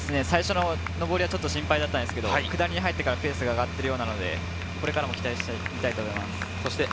最初の上りは心配だったんですけど、下りからペースが上がっているようなので、これからも期待したいと思います。